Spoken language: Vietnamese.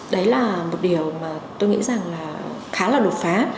đấy là một điều mà tôi nghĩ rằng là khá là đột phá